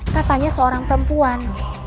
katanya seorang perempuan